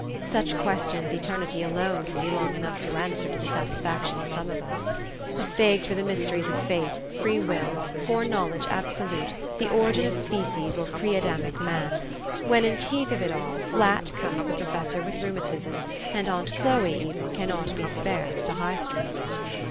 such questions eternity alone can be long enough to answer to the satisfaction of some of us. A fig for the mysteries of fate, free will, foreknowledge absolute, the origin of species or pre Adamic man ! when in teeth of it all, flat comes the professor with rheumatism, and aunt Chloe even cannot be spared to High Street.